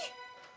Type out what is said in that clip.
aduh lagi juga